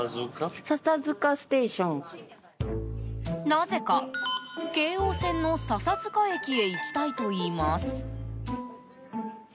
なぜか京王線の笹塚駅へ行きたいといいます。